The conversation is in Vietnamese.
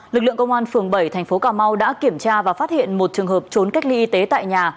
lực lượng công an phường bảy tp cm đã kiểm tra và phát hiện một trường hợp trốn cách ly y tế tại nhà